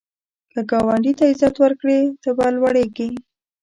که ګاونډي ته عزت ورکړې، ته به لوړیږې